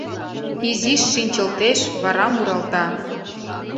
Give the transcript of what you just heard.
Изиш шинчылтеш, вара муралта: